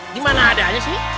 di mana adanya sih